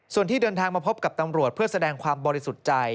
ส่วนที่เดินทางมาพบกับตำรวจเพื่อแสดงความบริสุทธิ์ใจ